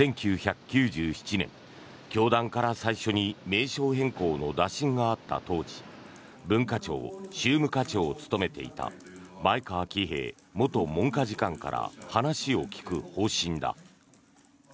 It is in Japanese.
１９９７年、教団から最初に名称変更の打診があった当時文化庁宗務課長を務めていた前川喜平元文科次官から話を聞く方針だ。